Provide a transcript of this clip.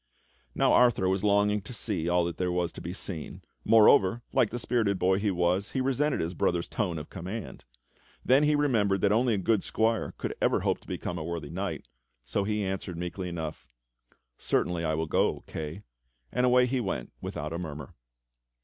Now Arthur was longing to see all that there was to be seen; moreover, like the spirited boy he w^as, he resented his brother's tone of command. Then he remembered that only a good squire could ever hope to become a worthy knight, so he answered meekly enough : "Certainly I will go, Kay," and away he went without a murmur.